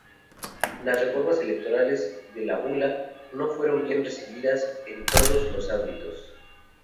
Las reformas electorales de la bula no fueron bien recibidas en todos los ámbitos.